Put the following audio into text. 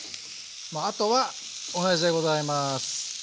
あとは同じでございます。